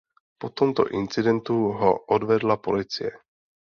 Po tomto incidentu ho odvedla policie.